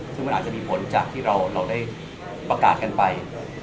ซึ่งมันอาจจะมีผลจากที่เราได้ประกาศกันไป